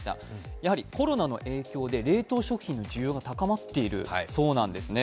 やはりコロナの影響で冷凍食品の需要が高まっているそうなんですね。